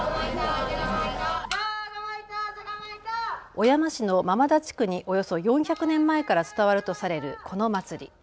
小山市の間々田地区におよそ４００年前から伝わるとされるこの祭り。